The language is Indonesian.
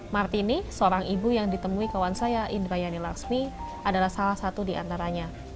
martini seorang ibu yang ditemui kawan saya indrayani laksmi adalah salah satu di antaranya